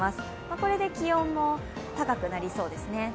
これで気温も高くなりそうですね。